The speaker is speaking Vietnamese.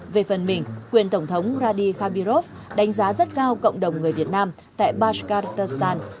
về phần mình quyền tổng thống vladi khabirov đánh giá rất cao cộng đồng người việt nam tại bashkortostan